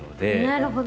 なるほど！